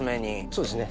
そうですね。